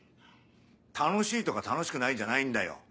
楽しいとか楽しくないじゃないんだよ。